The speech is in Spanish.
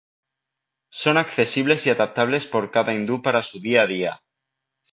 Son accesibles y adaptables por cada hindú para su día a día.